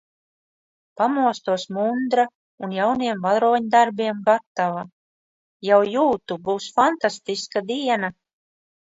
Pamostos mundra un jauniem varoņdarbiem gatava! Jau jūtu būs fantastiska diena!